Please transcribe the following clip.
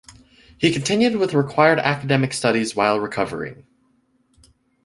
He continued with the required academic studies while recovering.